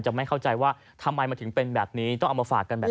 ไม่เข้าใจว่าทำไมมันถึงเป็นแบบนี้ต้องเอามาฝากกันแบบนี้